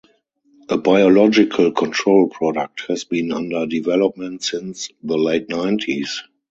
A biological control product has been under development since the late nineties.